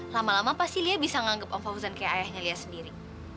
lama lama pasti lia bisa nganggep om fauzan kayak ayahnya lia sendiri